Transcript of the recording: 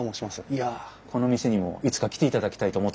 いやこの店にもいつか来ていただきたいと思ってたんですが。